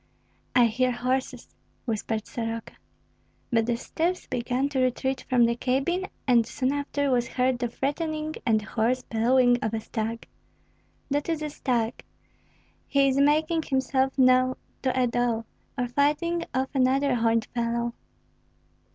"I hear horses," whispered Soroka. But the steps began to retreat from the cabin, and soon after was heard the threatening and hoarse bellowing of a stag. "That is a stag! He is making himself known to a doe, or fighting off another horned fellow."